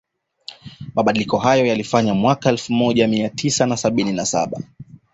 Mabadiliko hayo yalifanyika mwaka elfu moja mia tisa na sabini na saba